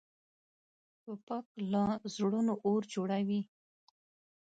توپک له زړونو اور جوړوي.